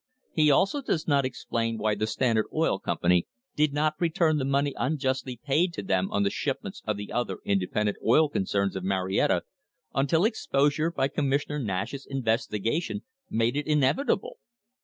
He also does not explain why the Standard Oil Company did not return the money unjustly paid to them on the shipments of the other independent oil concerns of Marietta until exposure by Commissioner N ash's investigation made it inevitable.